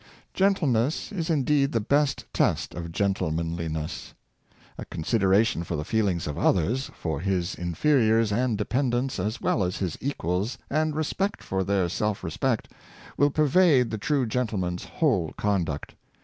Gentleness is indeed the best test of gentlemanliness. A consideration for the feelings of others, for his infer iors and dependents as well as his equals, and respect 618 Considerate of Others, for their self respect, will pervade the true gentleman's whole conduct.